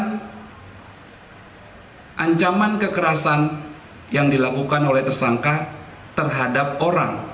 dan anjaman kekerasan yang dilakukan oleh tersangka terhadap orang